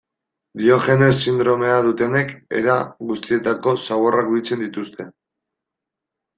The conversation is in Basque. Diogenes sindromea dutenek era guztietako zaborrak biltzen dituzte.